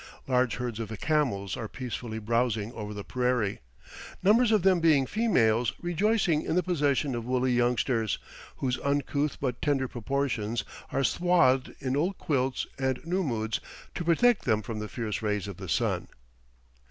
Large herds of camels are peacefully browsing over the prairie, numbers of them being females rejoicing in the possession of woolly youngsters, whose uncouth but tender proportions are swathed in old quilts and nummuds to protect them from the fierce rays of the sun.